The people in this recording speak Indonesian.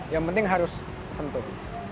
yang penting harus sentuh